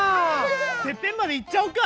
てっぺんまでいっちゃおうか！